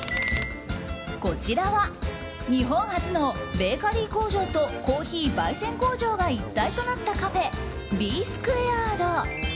こちらは日本初のベーカリー工場とコーヒー焙煎工場が一体となったカフェビースクエアード。